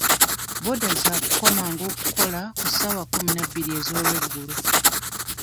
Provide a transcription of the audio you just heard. Booda za kukomanga okukola ku ssaawa kkumi na bbiri ez'olweggulo.